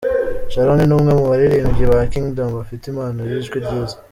Sharon ni umwe mu baririmbyi ba Kingdom bafite impano y'ijwi ryiza.